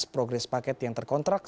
progres paket yang terkontrak